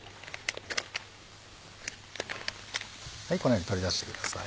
このように取り出してください。